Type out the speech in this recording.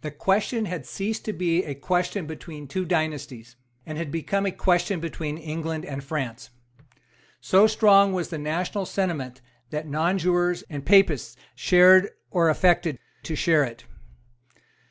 The question had ceased to be a question between two dynasties, and had become a question between England and France. So strong was the national sentiment that nonjurors and Papists shared or affected to share it.